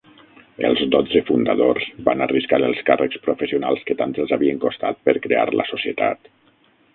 Els dotze fundadors van arriscar els càrrecs professionals que tant els havien costat per crear la societat.